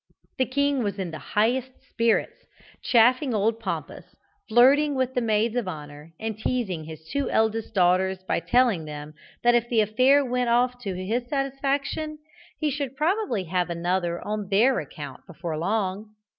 The king was in the highest spirits, chaffing old Pompous, flirting with the maids of honour, and teasing his two eldest daughters by telling them that if the affair went off to his satisfaction, he should probably have another on their account before long.